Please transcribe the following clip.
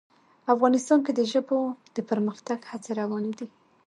افغانستان کې د ژبو د پرمختګ هڅې روانې دي.